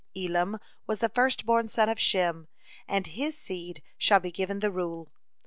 Elam was the first born son of Shem, and his seed shall be given the rule."